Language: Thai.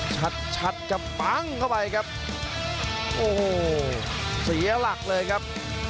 ชัดชัดครับปั้งเข้าไปครับโอ้โหเสียหลักเลยครับ